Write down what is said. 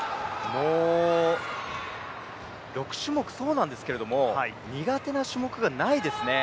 ６種目そうなんですけど、苦手な種目がないですね。